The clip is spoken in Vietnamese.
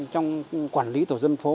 trong quản lý tổ dân phố